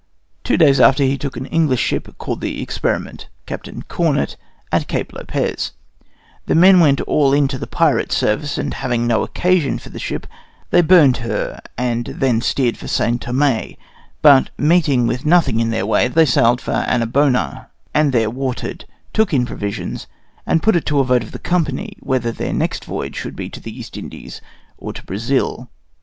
Two days after he took an English ship, called the Experiment, Captain Cornet, at Cape Lopez; the men went all into the pirate service, and having no occasion for the ship they burnt her and then steered for St. Thome, but meeting with nothing in their way, they sailed for Annabona, and there watered, took in provisions, and put it to a vote of the company whether their next voyage should be to the East Indies or to Brazil.